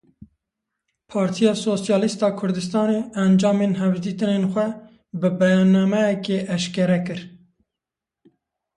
Partiya Sosyalîst a Kurdistanê encamên hevdîtinên xwe bi beyannameyekê eşkere kir.